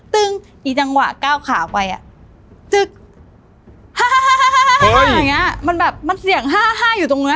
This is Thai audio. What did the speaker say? ตึ๊งอีจังหวะเก้าขาไปอะจึ๊บฮ่ามันแบบเสียงฮ่าอยู่ตรงเนื้อ